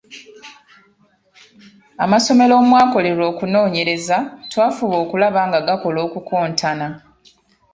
Amasomero omwakolerwa okunoonyereza twafuba okulaba nga gakola okukontana.